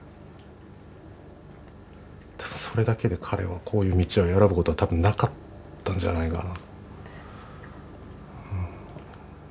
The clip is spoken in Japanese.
ただそれだけで彼はこういう道を選ぶことは多分なかったんじゃないかな。